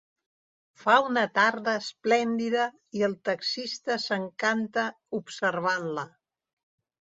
Fa una tarda esplèndida i el taxista s'encanta observant-la.